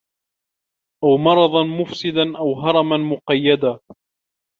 أَوْ مَرَضًا مُفْسِدًا أَوْ هَرَمًا مُقَيِّدًا